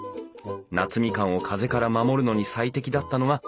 夏みかんを風から守るのに最適だったのが高い塀。